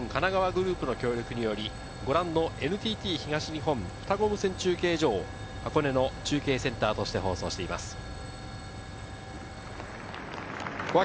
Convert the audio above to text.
神奈川グループの協力により、ご覧のＮＴＴ東日本双子無線中継所を箱根の中継センターとして放送しています。